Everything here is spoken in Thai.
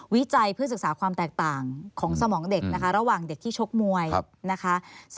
วิจัยเพื่อศึกษาความแตกต่างของสมองเด็กนะคะระหว่างเด็กที่ชกมวยนะคะ